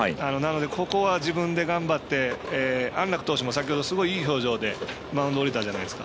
ここは自分で頑張って安樂投手も先ほどすごい、いい表情でマウンド降りたじゃないですか。